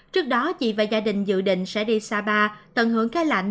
trước đó chị và gia đình dự định sẽ đi sapa tận hưởng cái lạnh